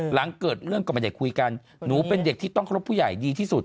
หลังเกิดเรื่องก็ไม่ได้คุยกันหนูเป็นเด็กที่ต้องเคารพผู้ใหญ่ดีที่สุด